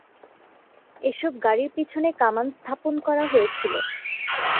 এসব গাড়ির পিছনে কামান স্থাপন করা হয়েছিল।